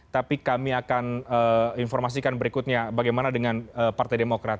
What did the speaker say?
tapi kami akan informasikan berikutnya bagaimana dengan partai demokrat